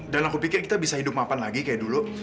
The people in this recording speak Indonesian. dan aku pikir kita bisa hidup mapan lagi kayak dulu